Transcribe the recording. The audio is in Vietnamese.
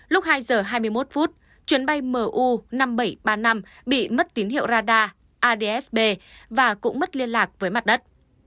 lúc hai giờ hai mươi một phút chuyến bay mu năm nghìn bảy trăm ba mươi năm bị mất tín hiệu radar adsb và cũng mất liên lạc với mặt đất